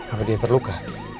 apa dia terluka